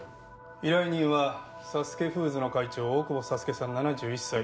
依頼人はサスケフーズの会長大久保佐助さん７１歳。